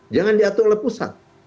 jangan diatur oleh pusat